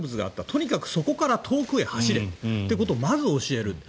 とにかくそこから遠くへ走れということをまず教える。